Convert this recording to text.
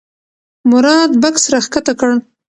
مراد بکس راښکته کړ.